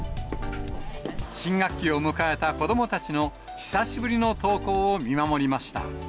新学期を迎えた子どもたちの久しぶりの登校を見守りました。